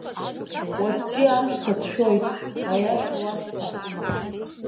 Уаҵәтәи амш сацәшәоит, аиаша уасҳәап.